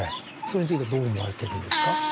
それについてはどう思われてるんですか？